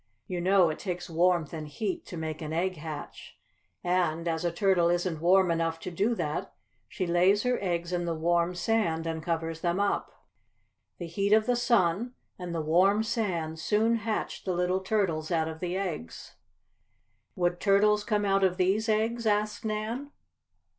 You know it takes warmth and heat to make an egg hatch. And, as a turtle isn't warm enough to do that, she lays her eggs in the warm sand, and covers them up. The heat of the sun, and the warm sand soon hatch the little turtles out of the eggs." "Would turtles come out of these eggs?" asked Nan.